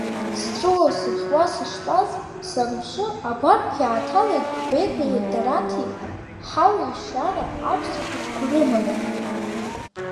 Сҵәуо-сыхьуа сыштәаз, санԥшы, агәарԥ иааҭалеит Бегәеи Едараҭи, ҳауеишьара аҳәсахәыҷқәа рыманы.